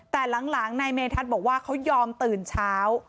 แต่หลังนายเมธัศนบอกว่าเขายอมตื่นเช้า